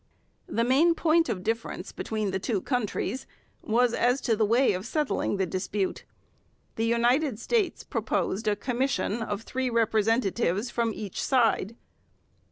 The main point of difference between the two countries was as to the way of settling the dispute. The United States proposed a commission of three representatives from each side.